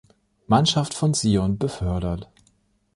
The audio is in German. Mannschaft von Sion befördert.